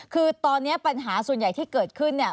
คือตอนนี้ปัญหาส่วนใหญ่ที่เกิดขึ้นเนี่ย